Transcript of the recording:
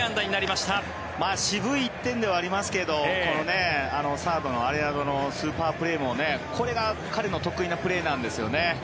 渋い１点ではありますがこのサードのアレナドのスーパープレーもこれが彼の得意なプレーなんですよね。